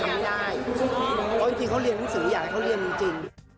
เพราะจริงเขาเรียนภูมิสื่ออย่างที่เขาเรียนจริง